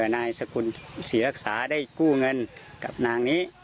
นายสกุลศรีรักษาได้กู้เงินกับนางนี้